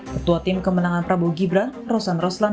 ketua tim kemenangan prabowo gibran rosan roslan